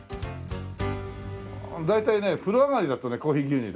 大体ね風呂上がりだとコーヒー牛乳だよな。